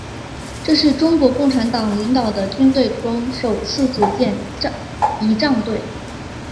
这是中国共产党领导的军队中首次组建仪仗队。